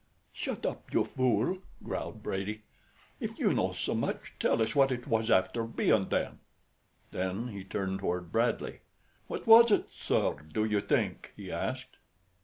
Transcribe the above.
"Shut up, you fool!" growled Brady. "If you know so much, tell us what it was after bein' then." Then he turned toward Bradley. "What was it, sir, do you think?" he asked.